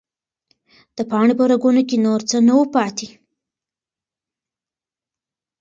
د پاڼې په رګونو کې نور څه نه وو پاتې.